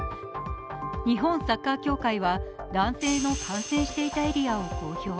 日本サッカー協会は男性の感染していたエリアを公表。